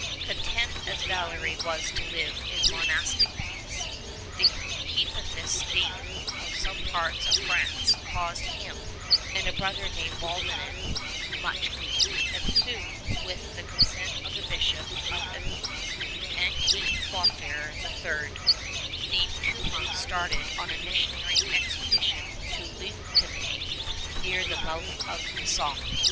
Content as Valery was to live in monastic peace, the heathenish state of some parts of France caused him and a brother named Waldelin much grief, and soon with the consent of the Bishop of Amiens and King Clothair III, the two monks started on a missionary expedition to Leuconay near the mouth of the Somme.